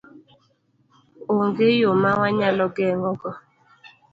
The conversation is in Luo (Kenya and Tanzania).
Onge yo ma wanyalo geng'e go?